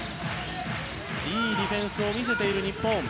いいディフェンスを見せている日本。